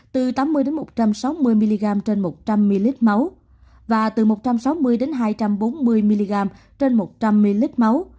từ tám mươi một trăm sáu mươi mg trên một trăm linh ml máu và từ một trăm sáu mươi hai trăm bốn mươi mg trên một trăm linh ml máu